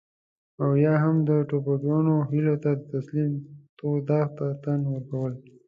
او يا هم د ټوپکيانو هيلو ته د تسليم تور داغ ته تن ورکول.